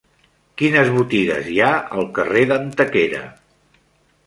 Quines botigues hi ha al carrer d'Antequera?